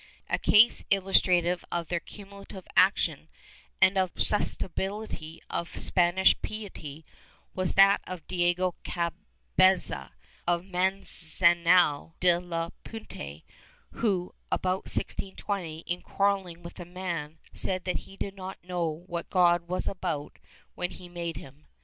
A case illustrative of their cumulative action, and of the susceptibility of Spanish piety, was that of Diego Cabeza, of Manzanal de la Puente who, about 1620, in quarrelling with a man, said that he did not know what God was about when he made him.